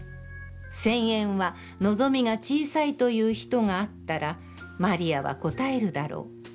千円は望みが小さいと言う人があったら、魔利は答えるだろう。